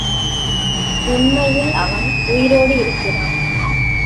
உண்மையில் அவன் உயிரோடு இருக்கிறான்.